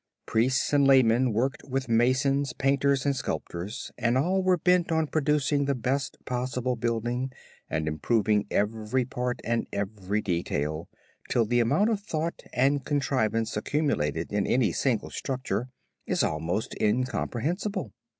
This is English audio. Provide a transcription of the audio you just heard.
... Priests and laymen worked with masons, painters, and sculptors, and all were bent on producing the best possible building, and improving every part and every detail, till the amount of thought and contrivance accumulated in any single structure is almost incomprehensible.